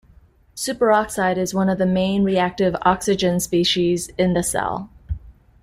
Superoxide is one of the main reactive oxygen species in the cell.